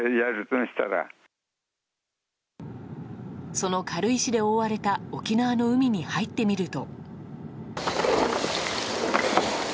その軽石で覆われた沖縄の海に入ってみると。